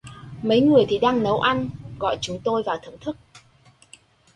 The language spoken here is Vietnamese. Mấy người thì đang nấu ăn gọi chúng tôi vào thưởng thức